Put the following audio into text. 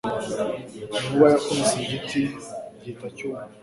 Inkuba yakubise igiti gihita cyuma